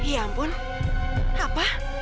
ya ampun apa